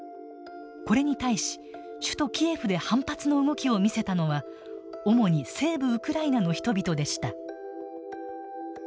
これに対し首都キエフで反発の動きを見せたのは主に西部ウクライナの人々でした。